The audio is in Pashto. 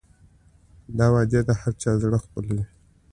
دا وعدې د هر چا زړه خپلوي.